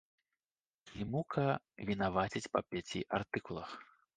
Клімука вінавацяць па пяці артыкулах.